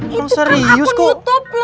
itu kan akun youtube